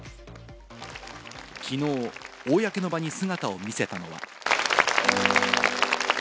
きのう公の場に姿を見せたのは。